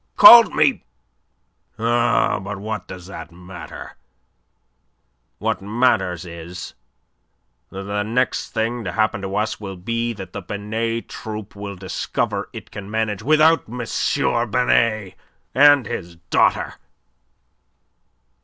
Called me... Oh, but what does that matter? What matters is that the next thing to happen to us will be that the Binet Troupe will discover it can manage without M. Binet and his daughter.